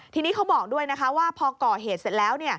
ทีนี้เขาบอกด้วยนะคะว่าพอก่อเหตุเสร็จแล้ว